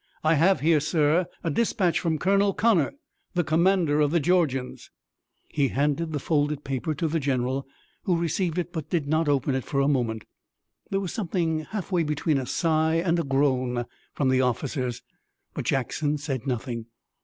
I have here, sir, a dispatch from Colonel Connor, the commander of the Georgians." He handed the folded paper to the general, who received it but did not open it for a moment. There was something halfway between a sigh and a groan from the officers, but Jackson said nothing.